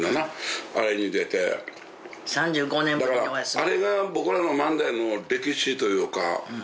だからあれが僕らの漫才の歴史というか。